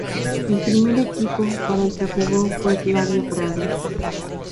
El primer equipo para el que jugó fue el Slavia Praga.